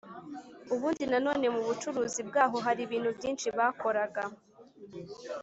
ubundi na none mu bucuzi bwaho hari ibintu byinshi bakoraga